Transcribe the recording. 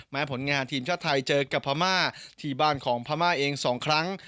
ผลงานทีมชาติไทยเจอกับพม่าที่บ้านของพม่าเอง๒ครั้ง